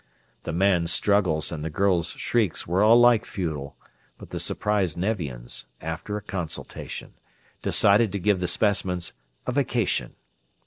The man's struggles and the girl's shrieks were alike futile, but the surprised Nevians, after a consultation, decided to give the specimens a vacation.